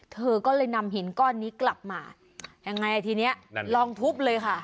เธอก็เลยนำหินก้อนนี้กลับมายังไงทีเนี้ยลองทุบเลยค่ะ